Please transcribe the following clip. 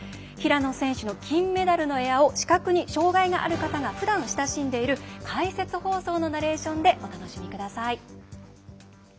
平野選手の金メダルのエアを視覚に障がいがある方がふだん親しんでいる解説放送のナレーションでお楽しみください。